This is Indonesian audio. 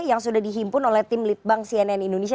yang sudah dihimpun oleh tim litbang cnn indonesia